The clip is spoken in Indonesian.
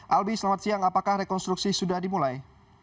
albi selamat siang apakah rekonstruksi sudah dimulai